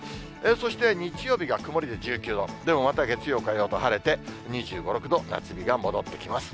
そして日曜日が曇りで１９度、でもまた月曜、火曜と晴れて、２５、６度、夏日が戻ってきます。